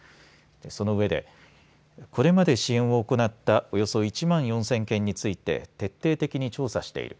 そのうえで、これまで支援を行ったおよそ１万４０００件について徹底的に調査している。